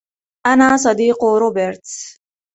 أنا صديق روبرتس.